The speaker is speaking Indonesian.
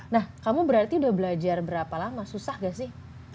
nah kamu berarti udah belajar berapa lama susah gak sih